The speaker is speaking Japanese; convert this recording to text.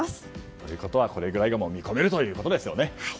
ということはこれぐらいが見込めるということですね。